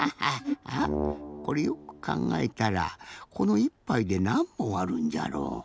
あっこれよくかんがえたらこの１ぱいでなんぼんあるんじゃろう？